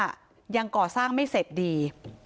ยังก่อสร้างไม่เสร็จดี